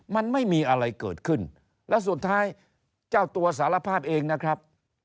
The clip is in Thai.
มันไม่มีอะไรเกิดขึ้นแล้วสุดท้ายเจ้าตัวสารภาพเองนะครับ